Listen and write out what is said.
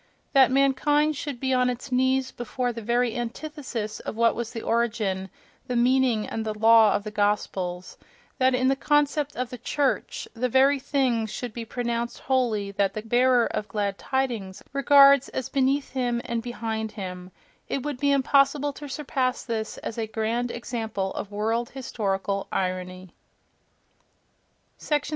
That mankind should be on its knees before the very antithesis of what was the origin, the meaning and the law of the Gospels—that in the concept of the "church" the very things should be pronounced holy that the "bearer of glad tidings" regards as beneath him and behind him—it would be impossible to surpass this as a grand example of world historical irony— 37.